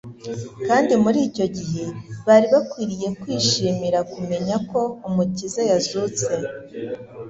Kandi muri icyo gihe bari bakwiriye kwishimira kumenya ko Umukiza yazutse !